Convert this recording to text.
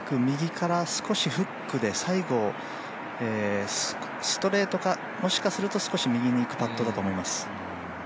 右から少しフックで最後、ストレートかもしかすると少し右に行くパットだと思います。